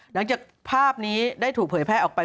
หลังจากภาพนี้ได้ถูกเผยแพร่ออกไป